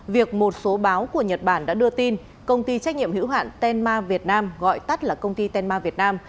việc một số báo của nhật bản đã đưa tin công ty trách nhiệm hữu hạn tenma việt nam gọi tắt là công ty tenma việt nam